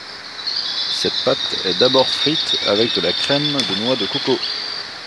Cette pâte est d'abord frite avec de la crème de noix de coco.